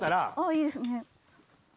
いいですね。